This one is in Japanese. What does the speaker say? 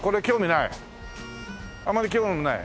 あまり興味ない？